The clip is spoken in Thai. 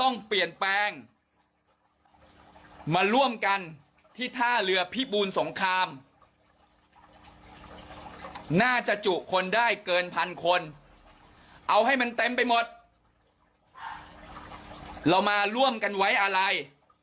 นี้ที่หมดเรามาร่วมกันไว้อะไร